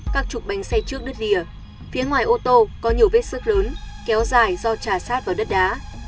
các trục bánh xe trước đứt rìa phía ngoài ô tô có nhiều vết sức lớn kéo dài do trà sát vào đất đá